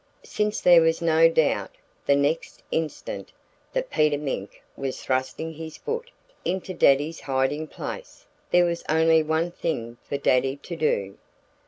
Since there was no doubt the next instant that Peter Mink was thrusting his foot into Daddy's hiding place, there was only one thing for Daddy to do.